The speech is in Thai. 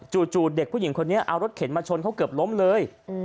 เด็กผู้หญิงคนนี้เอารถเข็นมาชนเขาเกือบล้มเลย